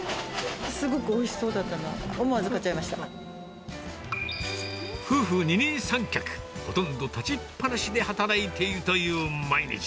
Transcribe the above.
すごくおいしそうだったので、夫婦二人三脚、ほとんど立ちっぱなしで働いているという毎日。